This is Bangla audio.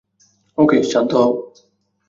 ওকে, শান্ত হও।